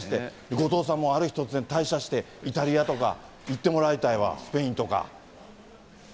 後藤さんもある日突然、退社して、イタリアとか行ってもらいたいわ、スペインとか。